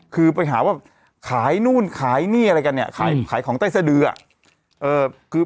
คือไปหาว่าขายนู่นขายนี่อะไรกันเนี่ยขายของใต้สะดืออ่ะ